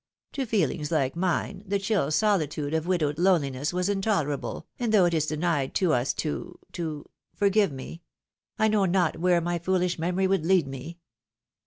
To feelings like mine, the chill solitude of widowed loneliness was intolerable, and though it is denied to us to — to — ^forgive me ! I know pot where my foohsh memory would lead me